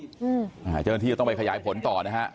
เจ้าหน้าที่ก็ต้องไปขยายผลต่อนะฮะ